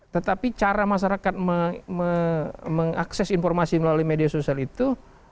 tetapi cara masyarakat mengakses informasi melalui media sosial itu